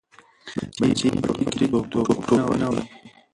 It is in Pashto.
بچي یې په پټي کې ټوپونه وهي.